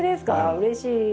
うれしい。